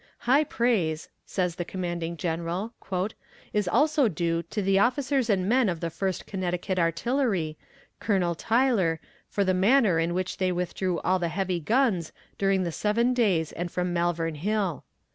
"High praise," says the commanding general, "is also due to the officers and men of the First Connecticut Artillery, Colonel Tyler, for the manner in which they withdrew all the heavy guns during the seven days and from Malvern Hill.